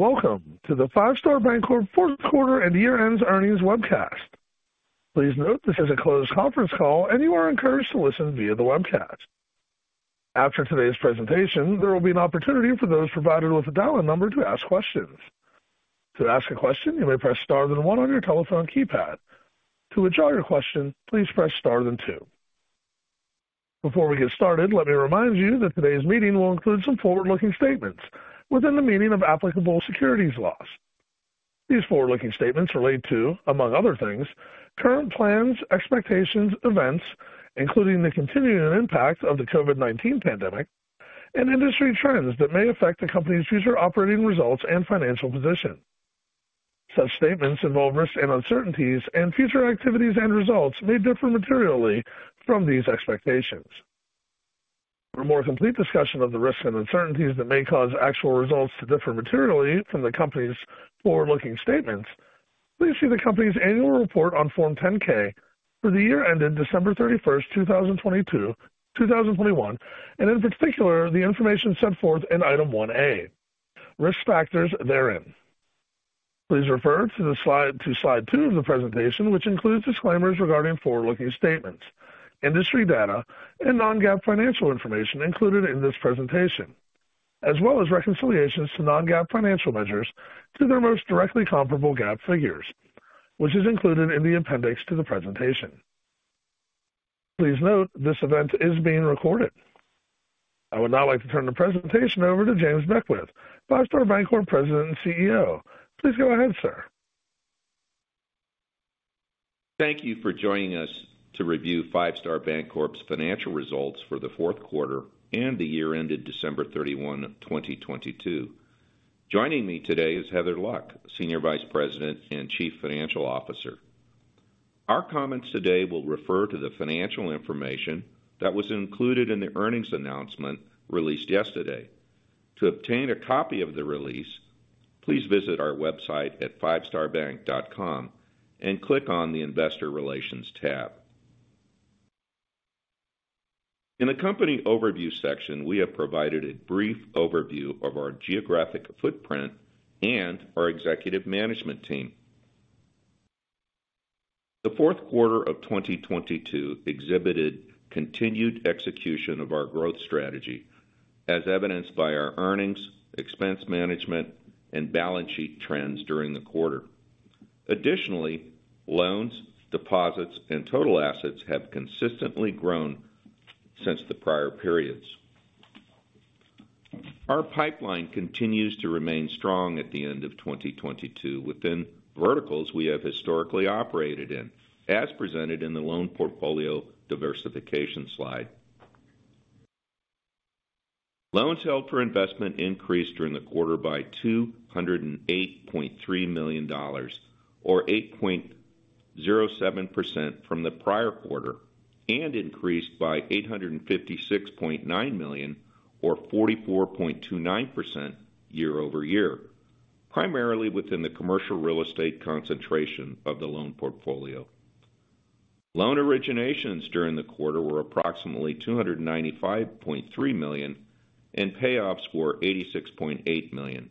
Welcome to the Five Star Bancorp fourth quarter and year-end earnings webcast. Please note this is a closed conference call. You are encouraged to listen via the webcast. After today's presentation, there will be an opportunity for those provided with a dial-in number to ask questions. To ask a question, you may press star then one on your telephone keypad. To withdraw your question, please press star then two. Before we get started, let me remind you that today's meeting will include some forward-looking statements within the meaning of applicable securities laws. These forward-looking statements relate to, among other things, current plans, expectations, events, including the continuing impact of the COVID-19 pandemic and industry trends that may affect the company's future operating results and financial position. Such statements involve risks and uncertainties. Future activities and results may differ materially from these expectations. For a more complete discussion of the risks and uncertainties that may cause actual results to differ materially from the company's forward-looking statements, please see the company's annual report on Form 10-K for the year ended December 31st, 2021, and in particular, the information set forth in Item 1A Risk Factors therein. Please refer to slide two of the presentation, which includes disclaimers regarding forward-looking statements, industry data, and non-GAAP financial information included in this presentation, as well as reconciliations to non-GAAP financial measures to their most directly comparable GAAP figures, which is included in the appendix to the presentation. Please note this event is being recorded. I would now like to turn the presentation over to James Beckwith, Five Star Bancorp President and Chief Executive Officer. Please go ahead, sir. Thank you for joining us to review Five Star Bancorp's financial results for the fourth quarter and the year ended December 31, 2022. Joining me today is Heather Luck, Senior Vice President and Chief Financial Officer. Our comments today will refer to the financial information that was included in the earnings announcement released yesterday. To obtain a copy of the release, please visit our website at fivestarbank.com and click on the Investor Relations tab. In the Company Overview section, we have provided a brief overview of our geographic footprint and our executive management team. The fourth quarter of 2022 exhibited continued execution of our growth strategy, as evidenced by our earnings, expense management, and balance sheet trends during the quarter. Additionally, loans, deposits, and total assets have consistently grown since the prior periods. Our pipeline continues to remain strong at the end of 2022 within verticals we have historically operated in, as presented in the loan portfolio diversification slide. Loans held for investment increased during the quarter by $208.3 million or 8.07% from the prior quarter and increased by $856.9 million or 44.29% year-over-year, primarily within the commercial real estate concentration of the loan portfolio. Loan originations during the quarter were approximately $295.3 million, and payoffs were $86.8 million.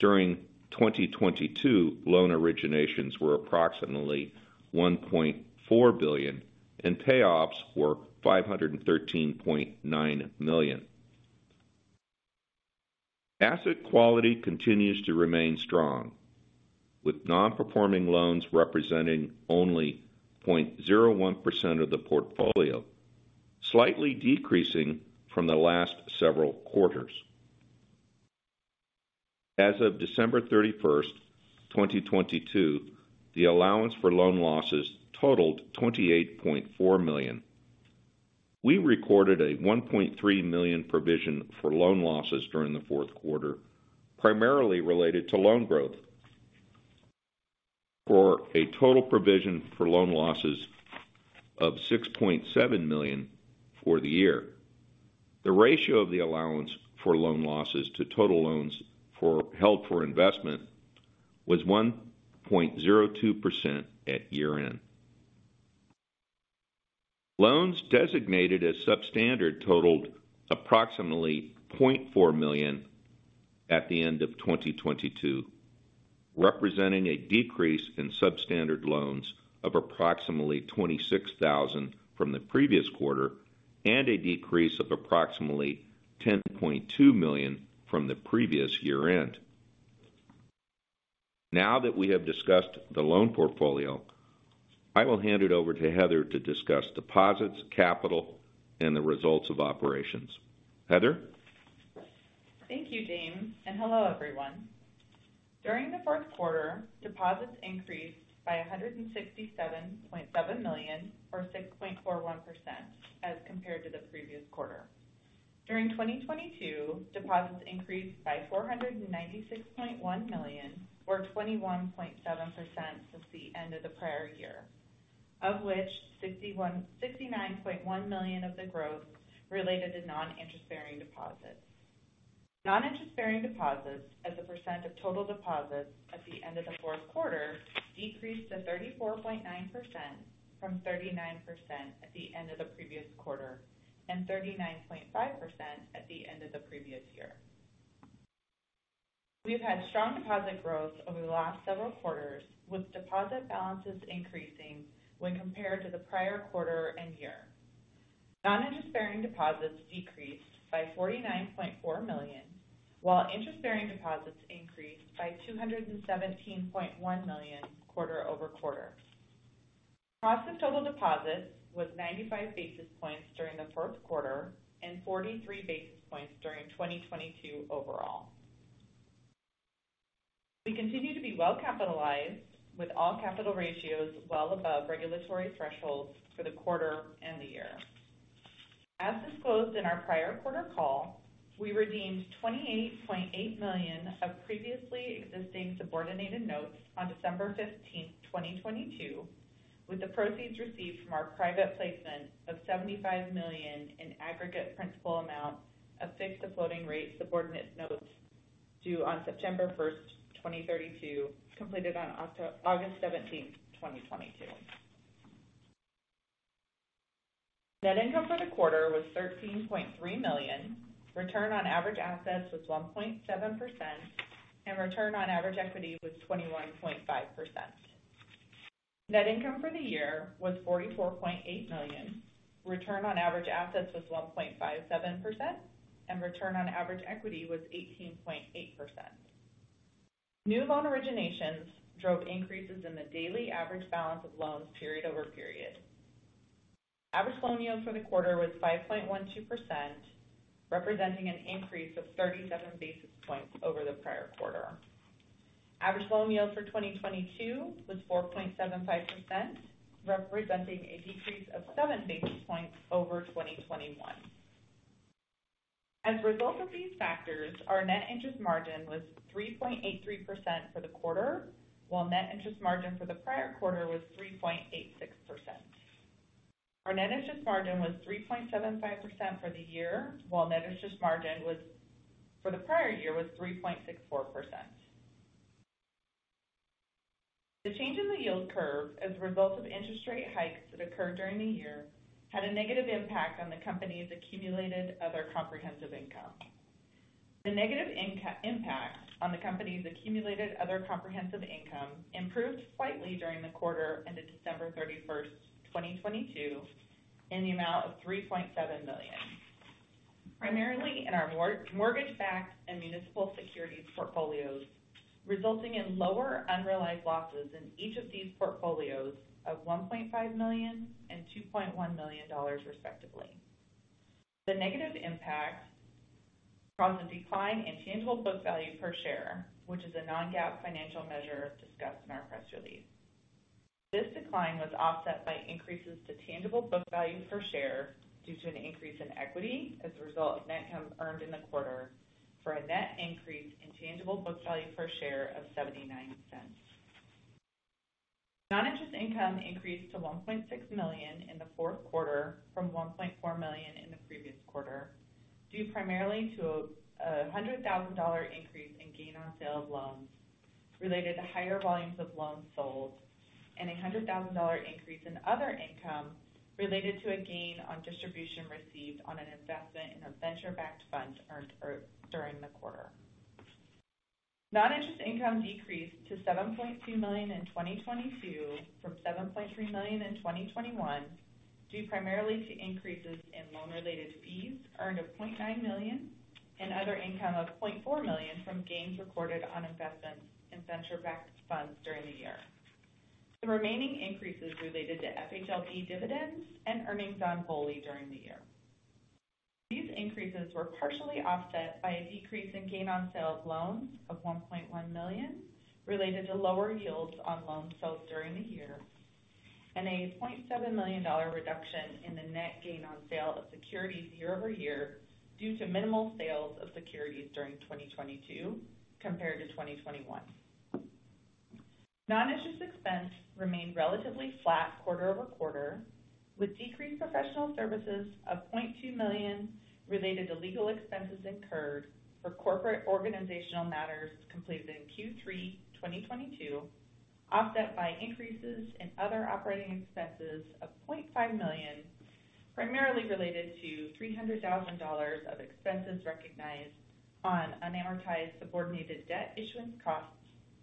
During 2022, loan originations were approximately $1.4 billion, and payoffs were $513.9 million. Asset quality continues to remain strong, with non-performing loans representing only 0.01% of the portfolio, slightly decreasing from the last several quarters. As of December 31st, 2022, the allowance for loan losses totaled $28.4 million. We recorded a $1.3 million provision for loan losses during the 4th quarter, primarily related to loan growth for a total provision for loan losses of $6.7 million for the year. The ratio of the allowance for loan losses to total loans held for investment was 1.02% at year-end. Loans designated as substandard totaled approximately $0.4 million at the end of 2022, representing a decrease in substandard loans of approximately $26,000 from the previous quarter and a decrease of approximately $10.2 million from the previous year-end. Now that we have discussed the loan portfolio, I will hand it over to Heather to discuss deposits, capital, and the results of operations. Heather. Thank you, James. Hello, everyone. During the fourth quarter, deposits increased by $167.7 million or 6.41% as compared to the previous quarter. During 2022, deposits increased by $496.1 million or 21.7% since the end of the prior year, of which $69.1 million of the growth related to non-interest-bearing deposits. Non-interest-bearing deposits as a % of total deposits at the end of the fourth quarter decreased to 34.9% from 39% at the end of the previous quarter and 39.5% at the end of the previous year. We've had strong deposit growth over the last several quarters, with deposit balances increasing when compared to the prior quarter and year. Non-interest bearing deposits decreased by $49.4 million, while interest bearing deposits increased by $217.1 million quarter-over-quarter. Cost of total deposits was 95 basis points during the fourth quarter and 43 basis points during 2022 overall. We continue to be well capitalized with all capital ratios well above regulatory thresholds for the quarter and the year. As disclosed in our prior quarter call, we redeemed $28.8 million of previously existing subordinated notes on December 15, 2022, with the proceeds received from our private placement of $75 million in aggregate principal amount of fixed-to-floating rate subordinate notes due on September 1, 2032, completed on August 17, 2022. Net income for the quarter was $13.3 million. Return on average assets was 1.7% and return on average equity was 21.5%. Net income for the year was $44.8 million. Return on average assets was 1.57% and return on average equity was 18.8%. New loan originations drove increases in the daily average balance of loans period-over-period. Average loan yield for the quarter was 5.12%, representing an increase of 37 basis points over the prior quarter. Average loan yield for 2022 was 4.75%, representing a decrease of 7 basis points over 2021. As a result of these factors, our net interest margin was 3.83% for the quarter, while net interest margin for the prior quarter was 3.86%. Our net interest margin was 3.75% for the year, while net interest margin was for the prior year was 3.64%. The change in the yield curve as a result of interest rate hikes that occurred during the year had a negative impact on the company's accumulated other comprehensive income. The negative impact on the company's accumulated other comprehensive income improved slightly during the quarter ended December 31, 2022 in the amount of $3.7 million. Primarily in our mortgage backed and municipal securities portfolios, resulting in lower unrealized losses in each of these portfolios of $1.5 million and $2.1 million respectively. The negative impact from the decline in tangible book value per share, which is a non-GAAP financial measure discussed in our press release. This decline was offset by increases to tangible book value per share due to an increase in equity as a result of net income earned in the quarter for a net increase in tangible book value per share of $0.79. Non-interest income increased to $1.6 million in the fourth quarter from $1.4 million in the previous quarter, due primarily to a $100,000 increase in gain on sale of loans related to higher volumes of loans sold and a $100,000 increase in other income related to a gain on distribution received on an investment in a venture backed fund earned during the quarter. Non-interest income decreased to $7.2 million in 2022 from $7.3 million in 2021 due primarily to increases in loan-related fees earned of $0.9 million and other income of $0.4 million from gains recorded on investments in venture-backed funds during the year. The remaining increases related to FHLB dividends and earnings on BOLI during the year. These increases were partially offset by a decrease in gain on sale of loans of $1.1 million related to lower yields on loans sold during the year and a $0.7 million reduction in the net gain on sale of securities year-over-year due to minimal sales of securities during 2022 compared to 2021. Non-interest expense remained relatively flat quarter-over-quarter, with decreased professional services of $0.2 million related to legal expenses incurred for corporate organizational matters completed in Q3 2022, offset by increases in other operating expenses of $0.5 million, primarily related to $300,000 of expenses recognized on unamortized subordinated debt issuance costs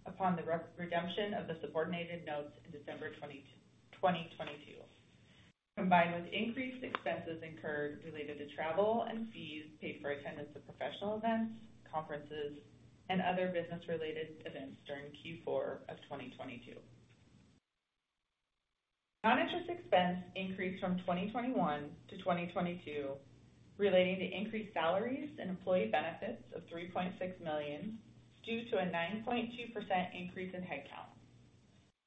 upon the re-redemption of the subordinated notes in December 2022. Combined with increased expenses incurred related to travel and fees paid for attendance of professional events, conferences, and other business-related events during Q4 2022. Non-interest expense increased from 2021 to 2022 relating to increased salaries and employee benefits of $3.6 million due to a 9.2% increase in headcount.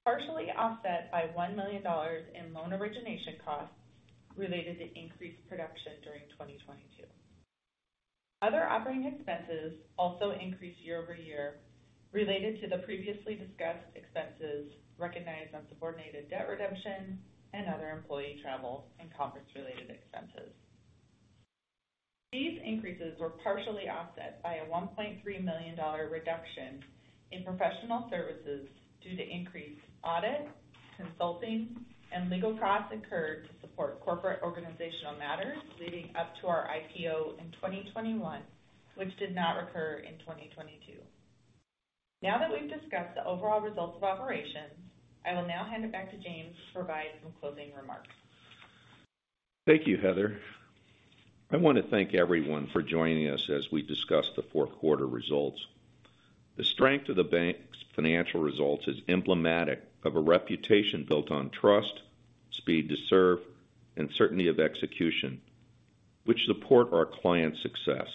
Partially offset by $1 million in loan origination costs related to increased production during 2022. Other operating expenses also increased year-over-year related to the previously discussed expenses recognized on subordinated debt redemption and other employee travel and conference related expenses. These increases were partially offset by a $1.3 million reduction in professional services due to increased audit, consulting and legal costs incurred to support corporate organizational matters leading up to our IPO in 2021, which did not occur in 2022. Now that we've discussed the overall results of operations, I will now hand it back to James to provide some closing remarks. Thank you, Heather. I want to thank everyone for joining us as we discuss the fourth quarter results. The strength of the bank's financial results is emblematic of a reputation built on trust, speed to serve, and certainty of execution, which support our clients' success.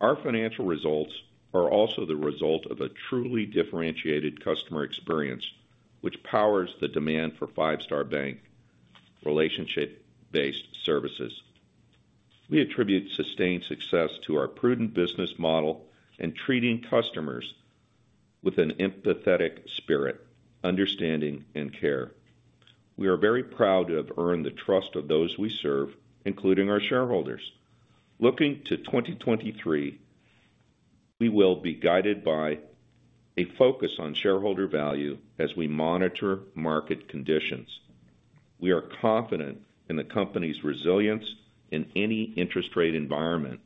Our financial results are also the result of a truly differentiated customer experience, which powers the demand for Five Star Bank relationship-based services. We attribute sustained success to our prudent business model and treating customers with an empathetic spirit, understanding, and care. We are very proud to have earned the trust of those we serve, including our shareholders. Looking to 2023, we will be guided by a focus on shareholder value as we monitor market conditions. We are confident in the company's resilience in any interest rate environment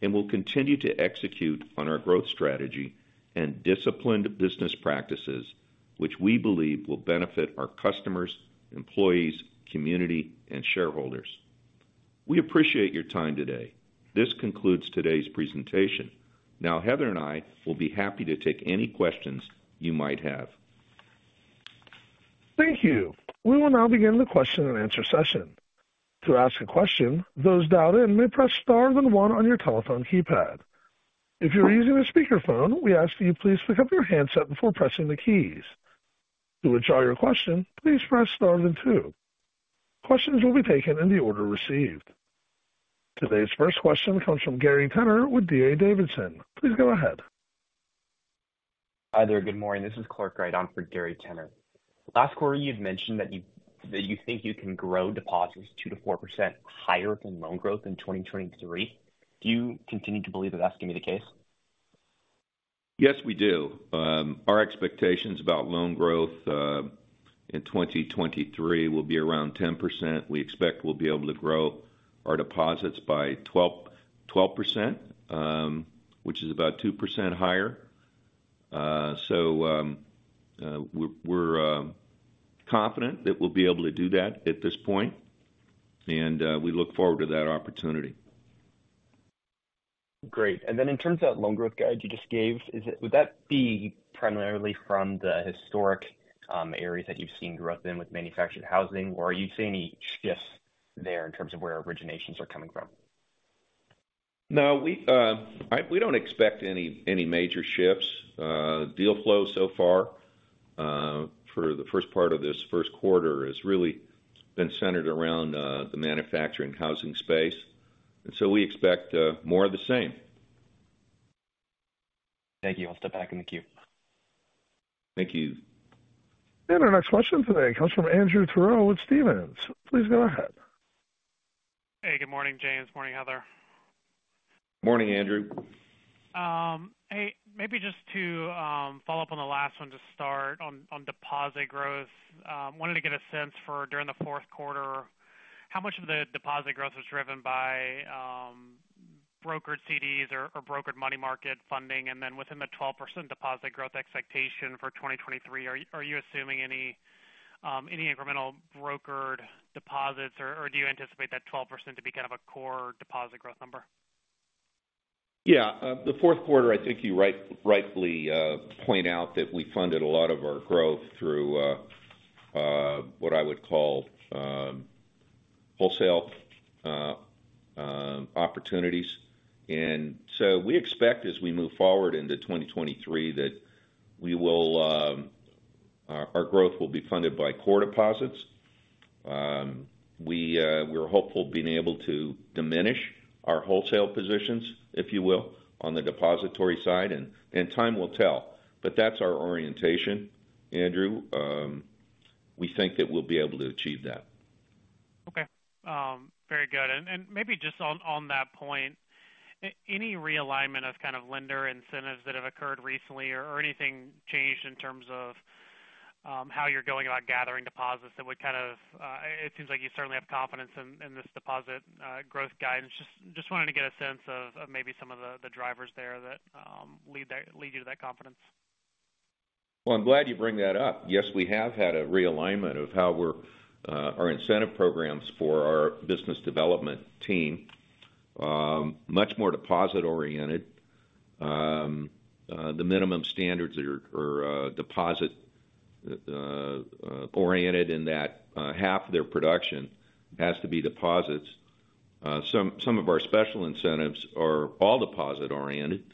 and will continue to execute on our growth strategy and disciplined business practices, which we believe will benefit our customers, employees, community, and shareholders. We appreciate your time today. This concludes today's presentation. Heather and I will be happy to take any questions you might have. Thank you. We will now begin the question-and-answer session. To ask a question, those dialed in may press star then one on your telephone keypad. If you're using a speakerphone, we ask that you please pick up your handset before pressing the keys. To withdraw your question, please press star then two. Questions will be taken in the order received. Today's first question comes from Gary Tenner with D.A. Davidson. Please go ahead. Hi there. Good morning. This is Clark Wright on for Gary Tenner. Last quarter, you had mentioned that you think you can grow deposits 2% to 4% higher than loan growth in 2023. Do you continue to believe that that's gonna be the case? Yes, we do. Our expectations about loan growth in 2023 will be around 10%. We expect we'll be able to grow our deposits by 12%, which is about 2% higher. We're confident that we'll be able to do that at this point, and we look forward to that opportunity. Great. Then in terms of loan growth guide you just gave, would that be primarily from the historic areas that you've seen growth in with manufactured housing or are you seeing any shifts there in terms of where originations are coming from? No. We don't expect any major shifts. Deal flow so far, for the first part of this first quarter has really been centered around the manufacturing housing space. We expect more of the same. Thank you. I'll step back in the queue. Thank you. Our next question today comes from Andrew Terrell with Stephens. Please go ahead. Hey, good morning, James. Morning, Heather. Morning, Andrew. Hey, maybe just to follow up on the last one to start on deposit growth. Wanted to get a sense for during the fourth quarter, how much of the deposit growth was driven by brokered CDs or brokered money market funding? Within the 12% deposit growth expectation for 2023, are you assuming any incremental brokered deposits or do you anticipate that 12% to be a core deposit growth number? Yeah. The fourth quarter, I think you rightly point out that we funded a lot of our growth through what I would call wholesale opportunities. We expect as we move forward into 2023 that our growth will be funded by core deposits. We're hopeful being able to diminish our wholesale positions, if you will, on the depository side and time will tell. That's our orientation, Andrew. We think that we'll be able to achieve that. Okay. very good. maybe just on that point, any realignment of lender incentives that have occurred recently or anything changed in terms of, how you're going about gathering deposits that would kind of... it seems like you certainly have confidence in this deposit growth guidance. Just wanted to get a sense of maybe some of the drivers there that lead you to that confidence? Well, I'm glad you bring that up. Yes, we have had a realignment of how we're our incentive programs for our business development team. Much more deposit-oriented. The minimum standards are deposit oriented in that half their production has to be deposits. Some of our special incentives are all deposit-oriented.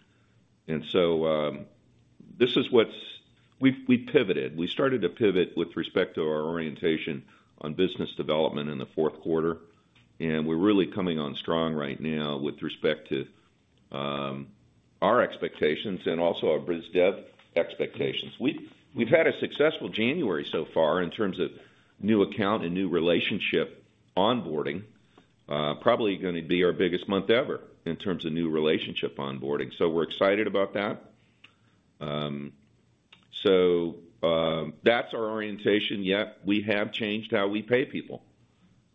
This is what's. We've pivoted. We started to pivot with respect to our orientation on business development in the fourth quarter, and we're really coming on strong right now with respect to our expectations and also our biz dev expectations. We've had a successful January so far in terms of new account and new relationship onboarding. Probably going to be our biggest month ever in terms of new relationship onboarding. We're excited about that. That's our orientation. Yeah, we have changed how we pay people.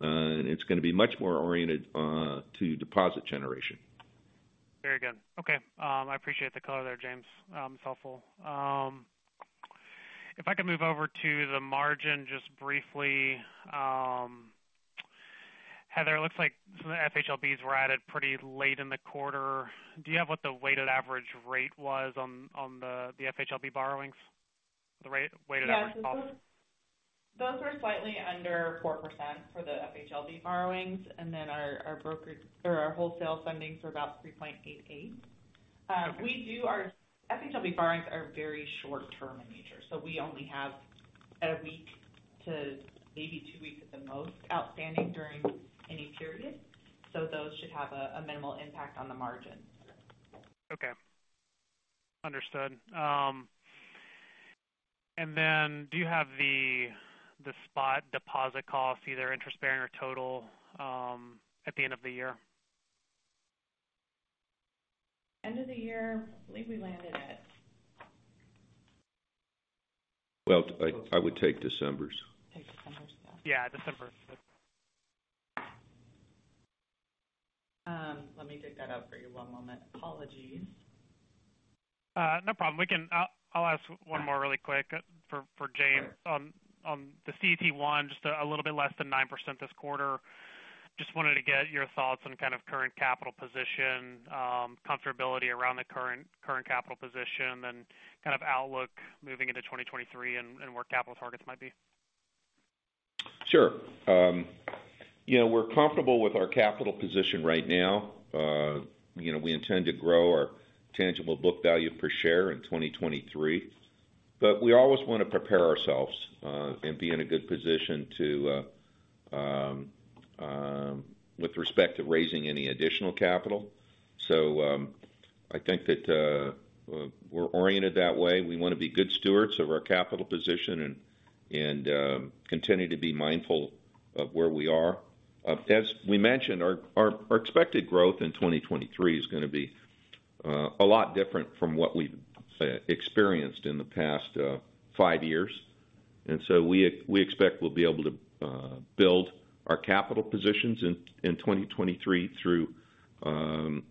It's going to be much more oriented to deposit generation. Very good. Okay. I appreciate the color there, James. It's helpful. If I could move over to the margin just briefly. Heather, it looks like some of the FHLBs were added pretty late in the quarter. Do you have what the weighted average rate was on the FHLB borrowings? Weighted average cost. Yes. Those were slightly under 4% for the FHLB borrowings. Our brokerage or our wholesale funding were about 3.88%. We do FHLB borrowings are very short term in nature, so we only have a week to maybe two weeks at the most outstanding during any period. Those should have a minimal impact on the margin. Okay. Understood. Then do you have the spot deposit costs, either interest-bearing or total, at the end of the year? End of the year, I believe we landed at. Well, I would take December's. Take December's, yeah. Yeah, December. Let me dig that up for you. One moment. Apologies. No problem. I'll ask one more really quick for James. Sure. On the CET1, just a little bit less than 9% this quarter. Just wanted to get your thoughts on current capital position, comfortability around the current capital position and then outlook moving into 2023 and where capital targets might be. Sure. you know, we're comfortable with our capital position right now. you know, we intend to grow our tangible book value per share in 2023, but we always want to prepare ourselves and be in a good position to with respect to raising any additional capital. I think that we're oriented that way. We want to be good stewards of our capital position and continue to be mindful of where we are. As we mentioned, our expected growth in 2023 is going to be a lot different from what we've experienced in the past five years. we expect we'll be able to build our capital positions in 2023 through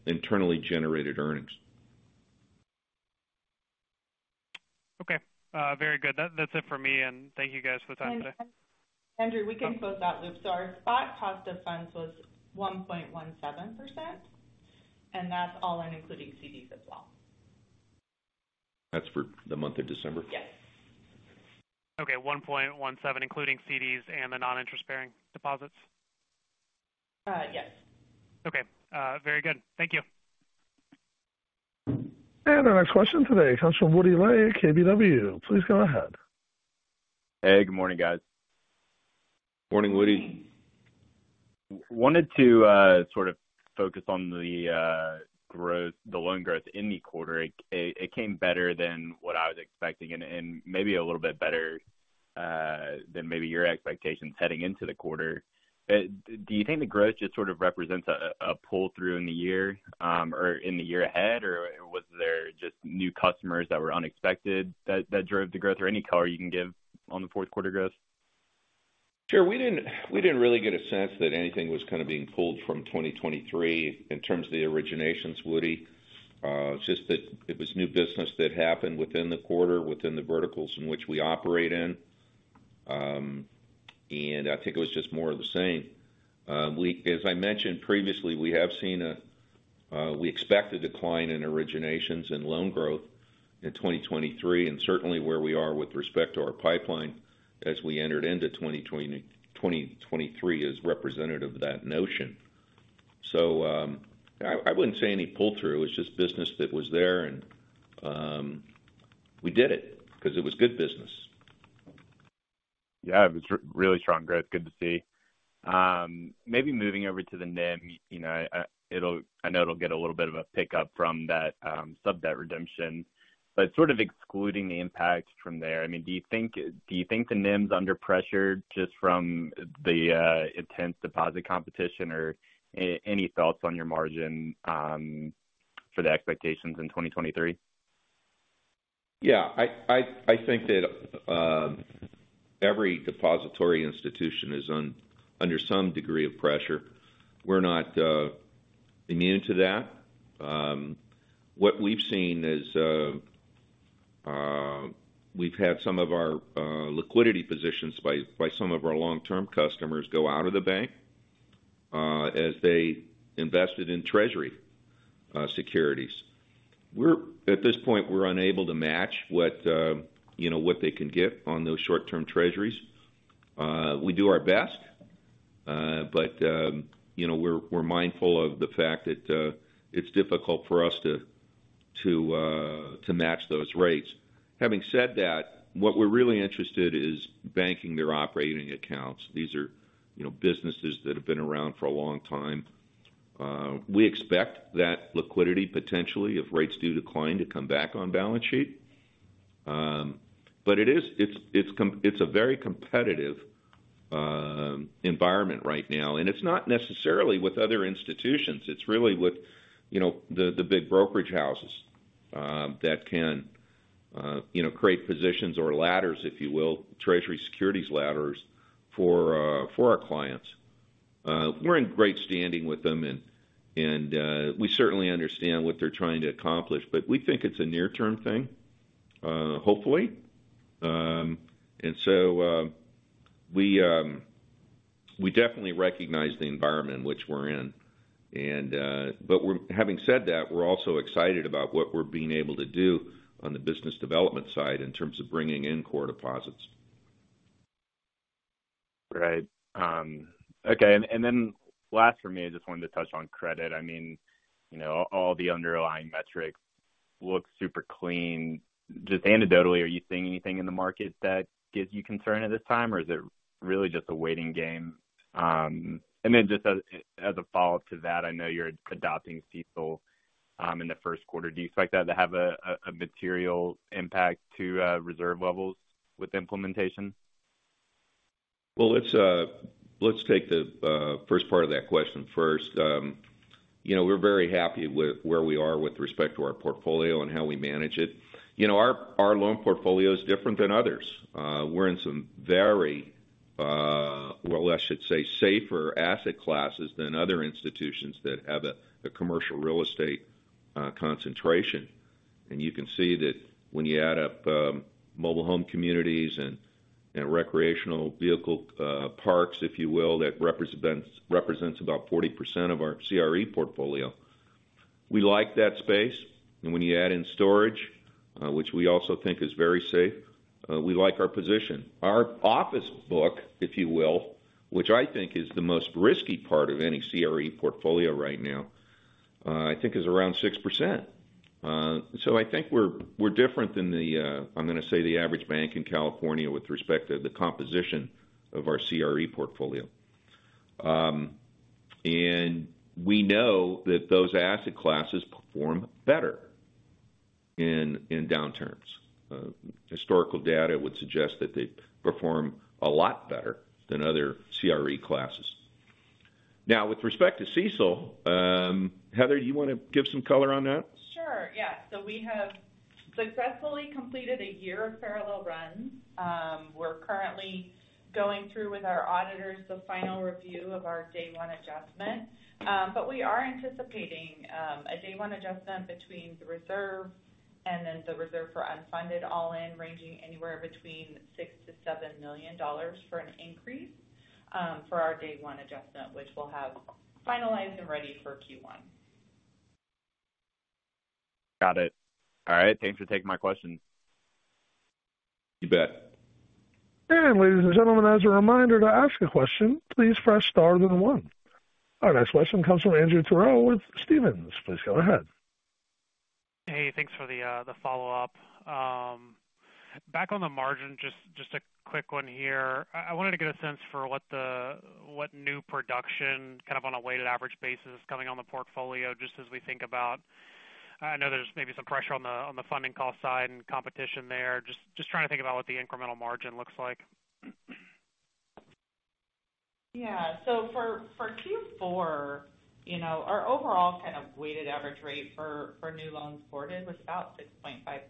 internally generated earnings. Okay. Very good. That's it for me and thank you guys for the time today. Andrew, we can close that loop. Our spot cost of funds was 1.17%, and that's all in including CDs as well. That's for the month of December? Yes. Okay. 1.17%, including CDs and the non-interest bearing deposits. Yes. Okay. Very good. Thank you. Our next question today comes from Woody Lay at KBW. Please go ahead. Hey, good morning, guys. Morning, Woody. Wanted to focus on the growth, the loan growth in the quarter. It came better than what I was expecting and maybe a little bit better than maybe your expectations heading into the quarter. Do you think the growth just represents a pull through in the year or in the year ahead? Was there just new customers that were unexpected that drove the growth? Any color you can give on the fourth quarter growth? Sure. We didn't really get a sense that anything was being pulled from 2023 in terms of the originations, Woody. It's just that it was new business that happened within the quarter, within the verticals in which we operate in. I think it was just more of the same. As I mentioned previously, we have seen a decline in originations and loan growth in 2023. Certainly where we are with respect to our pipeline as we entered into 2023 is representative of that notion. I wouldn't say any pull through. It was just business that was there and we did it because it was good business. Yeah, it was really strong growth. Good to see. Maybe moving over to the NIM, you know, I know it'll get a little bit of a pickup from that sub-debt redemption, but excluding the impact from there, I mean, do you think the NIM's under pressure just from the intense deposit competition or any thoughts on your margin for the expectations in 2023? Yeah, I think that every depository institution is under some degree of pressure. We're not immune to that. What we've seen is we've had some of our liquidity positions by some of our long-term customers go out of the bank as they invested in treasury securities. At this point, we're unable to match what, you know, what they can get on those short-term treasuries. We do our best, but, you know, we're mindful of the fact that it's difficult for us to match those rates. Having said that, what we're really interested is banking their operating accounts. These are, you know, businesses that have been around for a long time. We expect that liquidity potentially, if rates do decline, to come back on balance sheet. It's a very competitive environment right now, and it's not necessarily with other institutions. It's really with, you know, the big brokerage houses that can, you know, create positions or ladders, if you will, treasury securities ladders for our clients. We're in great standing with them and, we certainly understand what they're trying to accomplish. We think it's a near-term thing, hopefully. We definitely recognize the environment in which we're in. Having said that, we're also excited about what we're being able to do on the business development side in terms of bringing in core deposits. Right. Okay. Then last for me, I just wanted to touch on credit. I mean, you know, all the underlying metrics look super clean. Just anecdotally, are you seeing anything in the market that gives you concern at this time, or is it really just a waiting game? Then just as a follow-up to that, I know you're adopting CECL in the first quarter. Do you expect that to have a material impact to reserve levels with implementation? Well, let's take the first part of that question first. You know, we're very happy with where we are with respect to our portfolio and how we manage it. You know, our loan portfolio is different than others. We're in some very, well, I should say, safer asset classes than other institutions that have a commercial real estate concentration. You can see that when you add up mobile home communities and recreational vehicle parks, if you will, that represents about 40% of our CRE portfolio. We like that space. When you add in storage, which we also think is very safe, we like our position. Our office book, if you will, which I think is the most risky part of any CRE portfolio right now, I think is around 6%. I think we're different than the, I'm gonna say, the average bank in California with respect to the composition of our CRE portfolio. We know that those asset classes perform better in downturns. Historical data would suggest that they perform a lot better than other CRE classes. Now, with respect to CECL, Heather, do you wanna give some color on that? Sure, yeah. We have successfully completed a year of parallel runs. We're currently going through with our auditors the final review of our day one adjustment. We are anticipating a day one adjustment between the reserve and then the reserve for unfunded all-in ranging anywhere between $6 million-$7 million for an increase for our day one adjustment, which we'll have finalized and ready for Q1. Got it. All right. Thanks for taking my questions. You bet. Ladies and gentlemen, as a reminder, to ask a question, please press star then one. Our next question comes from Andrew Terrell with Stephens. Please go ahead. Hey, thanks for the follow-up. Back on the margin, just a quick one here. I wanted to get a sense for what new production, on a weighted average basis, coming on the portfolio, just as we think about. I know there's maybe some pressure on the funding cost side and competition there. Just trying to think about what the incremental margin looks like. For, for Q4, you know, our overall weighted average rate for new loans boarded was about 6.54%.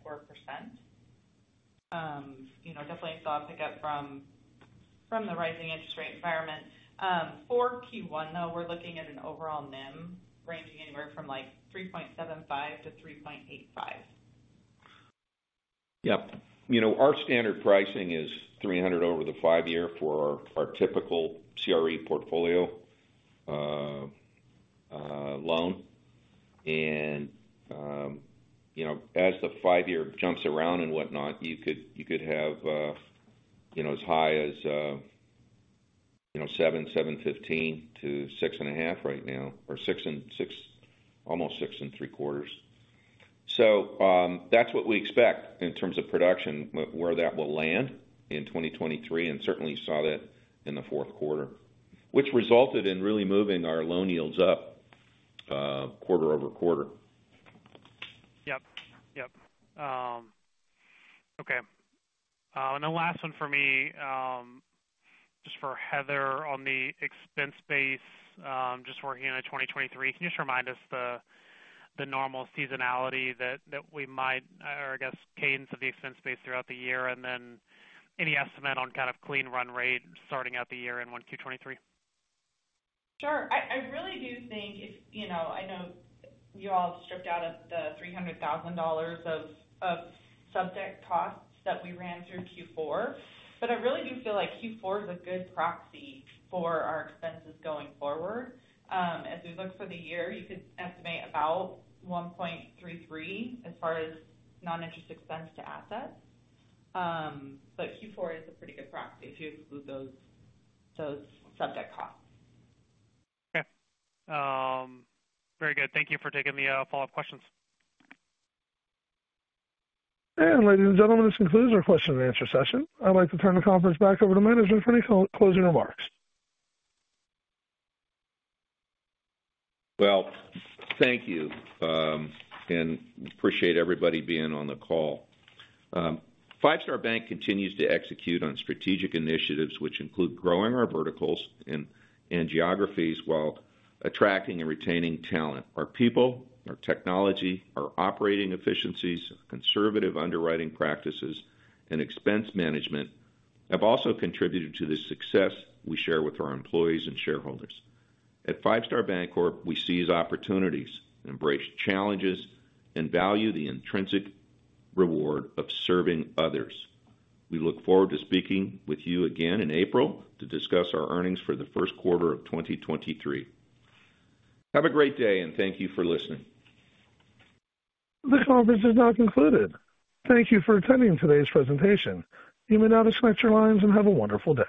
You know, definitely saw a pickup from the rising interest rate environment. For Q1, though, we're looking at an overall NIM ranging anywhere from like 3.75% to 3.85%. You know, our standard pricing is 300 over the five-year for our typical CRE portfolio loan. As the five years jump around and whatnot, you could have as high as 7.15 to 6.5 right now, or almost 6.75. That's what we expect in terms of production, where that will land in 2023, and certainly saw that in the fourth quarter, which resulted in really moving our loan yields up quarter-over-quarter. Yep. Yep. Okay. The last one for me, just for Heather on the expense base, just working on a 2023, can you just remind us the normal seasonality that we might or, I guess, cadence of the expense base throughout the year? Then any estimate on clean run rate starting out the year in 1Q 2023? Sure. I really do think if... You know, I know you all stripped out of the $300,000 of subject costs that we ran through Q4, but I really do feel like Q4 is a good proxy for our expenses going forward. As we look for the year, you could estimate about 1.33% as far as non-interest expense to assets. Q4 is a pretty good proxy if you exclude those subject costs. Okay. Very good. Thank you for taking the follow-up questions. Ladies and gentlemen, this concludes our question-and-answer session. I'd like to turn the conference back over to management for any closing remarks. Well, thank you. Appreciate everybody being on the call. Five Star Bank continues to execute on strategic initiatives, which include growing our verticals and geographies while attracting and retaining talent. Our people, our technology, our operating efficiencies, conservative underwriting practices, and expense management have also contributed to the success we share with our employees and shareholders. At Five Star Bancorp, we seize opportunities and embrace challenges and value the intrinsic reward of serving others. We look forward to speaking with you again in April to discuss our earnings for the first quarter of 2023. Have a great day, and thank you for listening. The conference is now concluded. Thank you for attending today's presentation. You may now disconnect your lines and have a wonderful day.